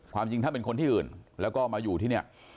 จริงถ้าเป็นคนที่อื่นแล้วก็มาอยู่ที่เนี่ย